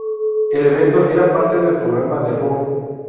El evento era parte del programa del Ruhr.